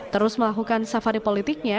terus melakukan safari politiknya